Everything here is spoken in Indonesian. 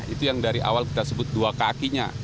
itu yang dari awal kita sebut dua kakinya